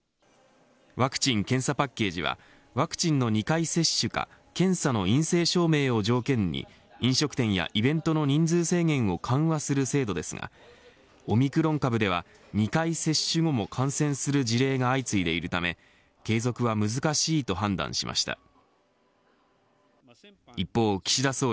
ワクチン・検査パッケージはワクチンの２回接種が検査の陰性証明を条件に飲食店やイベントの人数制限を緩和する制度ですがオミクロン株では、２回接種後も感染する事例が相次いでいるため継続は難しいと判断しました。